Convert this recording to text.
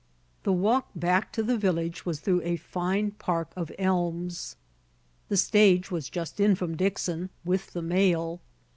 The walk back to the village was through a fine park of elms. The stage was just in from Dixon, with the mail.